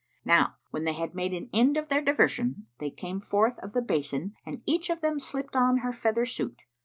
Now when they had made an end of their diversion, they came forth of the basin and each of them slipped on her feather suit.